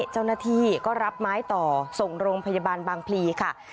เจ้าหน้าที่ก็รับไม้ต่อส่งโรงพยาบาลบางพลีค่ะ